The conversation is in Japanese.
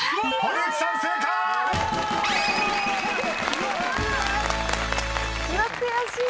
うわっ悔しい！